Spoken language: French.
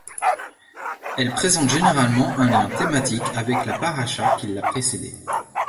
Elle présente généralement un lien thématique avec la parasha qui l'a précédée.